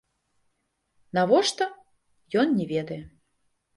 Навошта, ён не ведае.